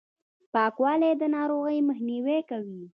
پاکوالي، د ناروغیو مخنیوی کوي.